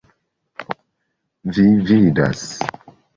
Vi vidas!